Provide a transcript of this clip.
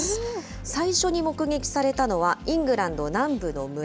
最初に目撃されたのは、イングランド南部の村。